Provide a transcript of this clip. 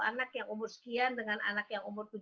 anak yang umur sekian dengan anak yang umur